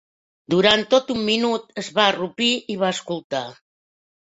Durant tot un minut, es va arrupir i va escoltar.